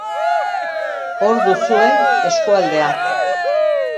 Hor duzue eskualdea.